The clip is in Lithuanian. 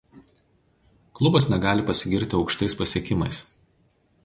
Klubas negali pasigirti aukštais pasiekimais.